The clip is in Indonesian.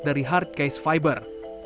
dari hardcase fiber